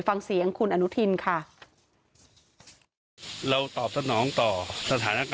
ฟังเสียงคุณอนุทินค่ะ